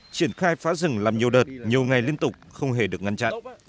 triển khai phá rừng làm nhiều đợt nhiều ngày liên tục không hề được ngăn chặn